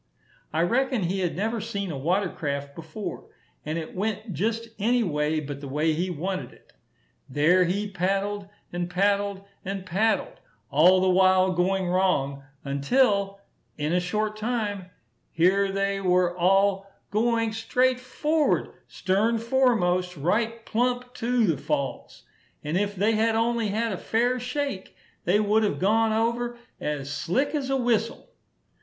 I reckon he had never seen a water craft before; and it went just any way but the way he wanted it. There he paddled, and paddled, and paddled all the while going wrong, until, in a short time, here they were all going, straight forward, stern foremost, right plump to the falls; and if they had only had a fair shake, they would have gone over as slick as a whistle.